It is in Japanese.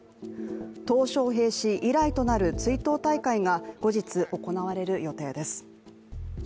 トウ小平氏以来となる追悼大会が後日行われる予定です。